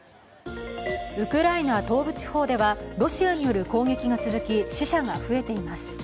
ウクライナ東部地方ではロシアによる攻撃が続き、死者が増えています。